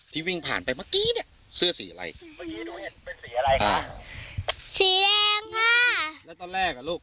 ที่วิ่งผ่านไปเมื่อกี้เนี่ยเสื้อสีอะไรสีแดงค่ะแล้วตอนแรกอ่ะลูก